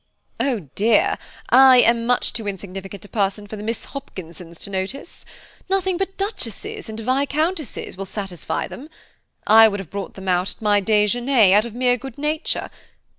"Oh dear! I am much too insignificant a person for the Miss Hopkinsons to notice. Nothing but Duchesses and Viscountesses will satisfy them! I would have brought them out at my déjeuners, out of mere good nature.